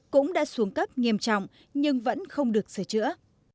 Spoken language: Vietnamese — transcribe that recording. cũng đã xuống cấp nghiêm trọng nhưng vẫn không được sửa chữa